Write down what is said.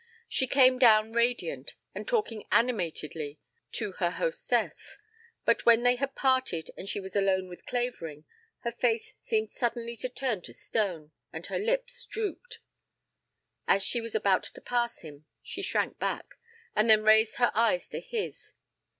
She came down radiant and talking animatedly to her hostess; but when they had parted and she was alone with Clavering her face seemed suddenly to turn to stone and her lids drooped. As she was about to pass him she shrank back, and then raised her eyes to his.